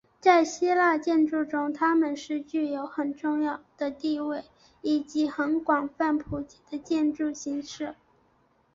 在希腊建筑中他们是具有很重要的地位以及很广泛普及的建筑形式。